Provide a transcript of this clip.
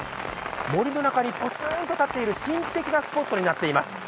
森の中にぽつんと立っている神秘的なスポットになっています。